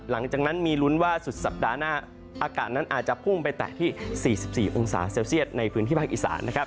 หลังจากนั้นมีลุ้นว่าสุดสัปดาห์หน้าอากาศนั้นอาจจะพุ่งไปแตะที่๔๔องศาเซลเซียตในพื้นที่ภาคอีสานนะครับ